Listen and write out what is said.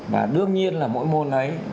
và đương nhiên là mỗi môn ấy